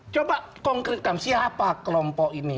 coba konkretkan siapa kelompok ini